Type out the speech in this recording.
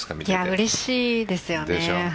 うれしいですよね。